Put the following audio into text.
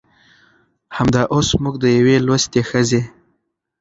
همدا اوس موږ د يوې لوستې ښځې